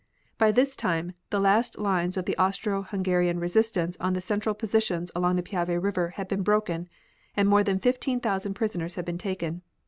By this time the last lines of the Austro Hungarian resistance on the central positions along the Piave River had been broken, and more than fifteen thousand prisoners been taken.